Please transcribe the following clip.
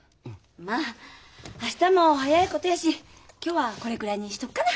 まあ明日も早いことやし今日はこれくらいにしとこかな？